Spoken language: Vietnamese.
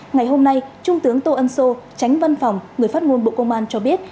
ngày hôm nay trung tướng tô ân sô tránh văn phòng người phát ngôn bộ công an cho biết